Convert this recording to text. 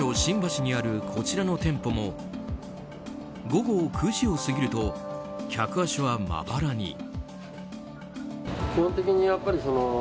東京・新橋にあるこちらの店舗も午後９時を過ぎると客足はまばらに。